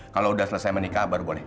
kalau sudah selesai menikah baru boleh